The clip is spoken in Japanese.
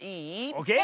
オーケー！